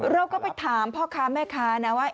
เราก็ไปถามพ่อค้าแม่ค้านะว่า